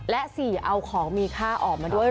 และ๔เอาของมีค่าออกมาด้วย